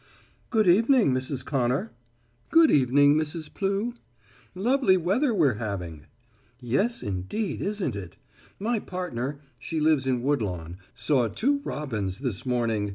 "Good evening, Mrs. Connor." "Good evening, Mrs. Plew." "Lovely weather we're having." "Yes indeed, isn't it? My partner she lives in Woodlawn saw two robins this morning.